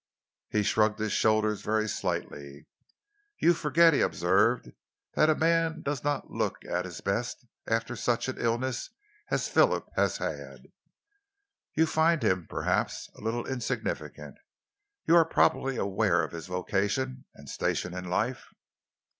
He shrugged his shoulders very slightly. "You forget," he observed, "that a man does not look at his best after such an illness as Phillips has had. You find him, perhaps, a little insignificant. You are probably aware of his vocation and station in life."